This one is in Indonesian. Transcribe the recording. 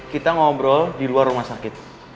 kita ngobrol di luar rumah sakit